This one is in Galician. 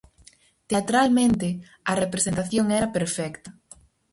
Teatralmente, a representación era perfecta.